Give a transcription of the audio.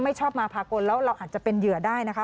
ชอบมาพากลแล้วเราอาจจะเป็นเหยื่อได้นะคะ